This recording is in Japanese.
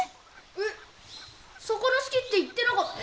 えっ魚好きって言ってなかった？